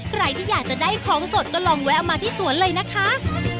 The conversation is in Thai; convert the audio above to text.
ใครที่อยากจะได้ของสดก็ลองแวะมาที่สวนเลยนะคะ